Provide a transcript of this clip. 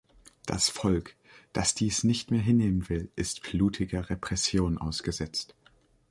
Das Volk, das dies nicht mehr hinnehmen will, ist blutiger Repression ausgesetzt.